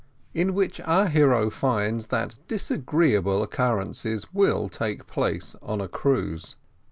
IN WHICH OUR HERO FINDS THAT DISAGREEABLE OCCURRENCES WILL TAKE PLACE ON A CRUISE.